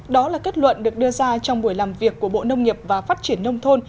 đó là kết luận được đưa ra trong buổi làm việc của bộ nông nghiệp và phát triển nông thôn